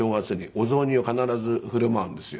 お雑煮を必ず振る舞うんですよ